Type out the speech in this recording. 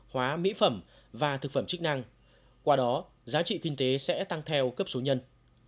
hóa mỹ phẩm và thực phẩm chức năng qua đó giá trị kinh tế sẽ tăng theo cấp số nhân